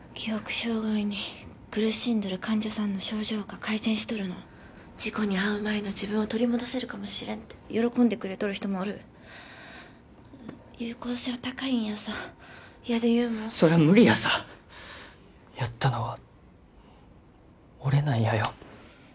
障害に苦しんどる患者さんの症状が改善しとるの事故に遭う前の自分を取り戻せるかもしれんって喜んでくれとる人もおる有効性は高いんやさやで優もそら無理やさやったのは俺なんやよ